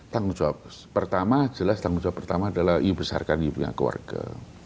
tanggung jawab pertama jelas tanggung jawab pertama adalah you besarkan you punya keluarga